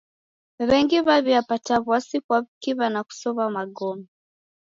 W'engi w'aw'iapata w'asi kwa w'ukiw'a na kusow'a magome.